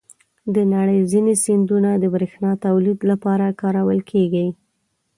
د نړۍ ځینې سیندونه د بریښنا تولید لپاره کارول کېږي.